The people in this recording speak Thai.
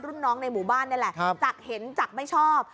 รุ่นน้องในหมู่บ้านนี่แหละจากเห็นจากไม่ชอบ